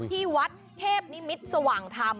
ที่วัดเทพนิมิตรสว่างธรรม